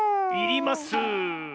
いります。